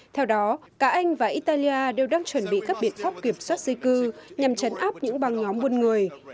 theo đó cả anh và italia đều đang chuẩn bị các biện pháp kiểm soát di cư nhằm chấn áp những băng nhóm buôn người